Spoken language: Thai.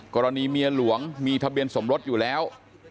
กรณีเมียหลวงมีทะเบียนสมรสอยู่แล้ว